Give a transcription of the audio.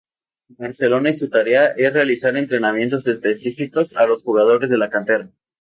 Barcelona y su tarea es realizar entrenamientos específicos a los jugadores de la cantera